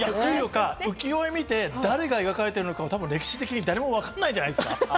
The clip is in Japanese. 浮世絵見て、誰が描かれてるのか、歴史的に誰もわからないじゃないですか。